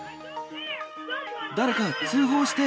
誰か通報して！